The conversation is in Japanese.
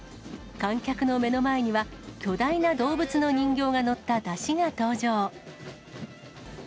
観客の目の前には、巨大な動物の人形が乗った山車が登場。